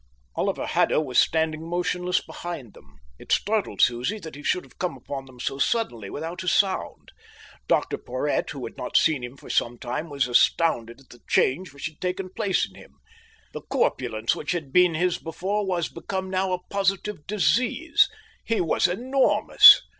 Oliver Haddo was standing motionless behind them. It startled Susie that he should have come upon them so suddenly, without a sound. Dr Porhoët, who had not seen him for some time, was astounded at the change which had taken place in him. The corpulence which had been his before was become now a positive disease. He was enormous.